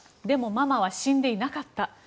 でもママは死んでいなかった。